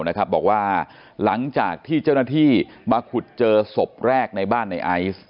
บอกว่าหลังจากที่เจ้าหน้าที่มาขุดเจอศพแรกในบ้านในไอซ์